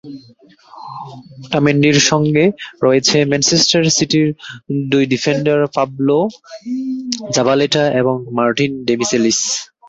ওটামেন্ডির সঙ্গে রয়েছেন ম্যানচেস্টার সিটির দুই ডিফেন্ডার পাবলো জাবালেতা এবং মার্টিন ডেমিচেলিস।